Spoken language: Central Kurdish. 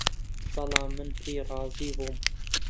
بەڵام من پێی رازی بووم